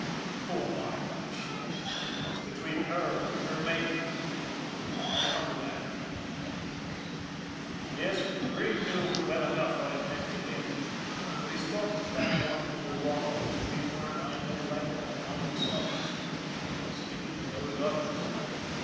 Who am I, that I should ? It is between her and her Maker. I'll come to that in a minute. Yes, Breen knew well enough what it meant to him, but his thoughts that morning as we walked up the street weren't, I know right well, on himself he was thinking of those others.